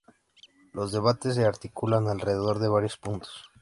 Los debates se articulan alrededor de varios puntos.